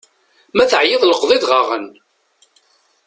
Ma teεyiḍ lqeḍ idɣaɣen!